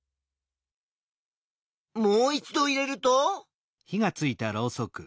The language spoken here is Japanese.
もう一度入れると。